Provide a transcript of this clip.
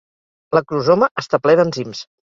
L'acrosoma està ple d'enzims.